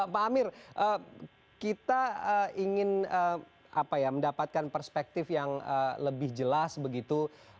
pak amir kita ingin mendapatkan perspektif yang lebih jelas begitu